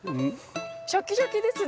シャキシャキですね。